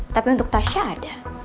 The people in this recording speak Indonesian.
tapi untuk tasya ada